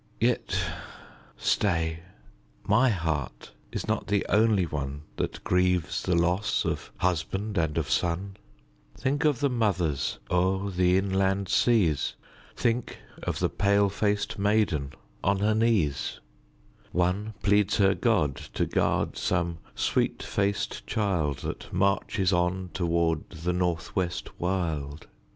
Yet stay, my heart is not the only one That grieves the loss of husband and of son; Think of the mothers o'er the inland seas; Think of the pale faced maiden on her knees; One pleads her God to guard some sweet faced child That marches on toward the North West wild.